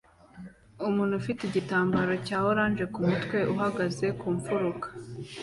Umuntu ufite igitambaro cya orange kumutwe uhagaze kumfuruka